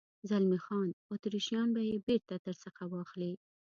زلمی خان: اتریشیان به یې بېرته در څخه واخلي.